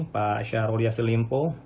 pak syahrul yassin limpo